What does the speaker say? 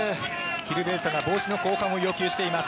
ヒルベルトが帽子の交換を要求しています。